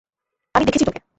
আমি দেখেছি তোকে!